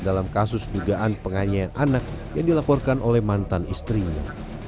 dalam kasus dugaan penganiayaan anak yang dilaporkan oleh mantan istrinya